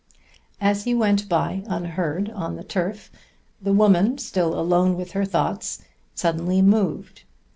As he went by unheard on the turf the woman, still alone with her thoughts, suddenly moved.